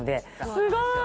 すごい！